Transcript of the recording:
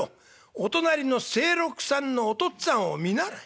お隣の清六さんのお父っつぁんを見習え。